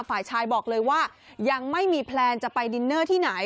ฝ่ายชายบอกเลยว่ายังไม่มีแพลนจะไปดินเนอร์ที่ไหน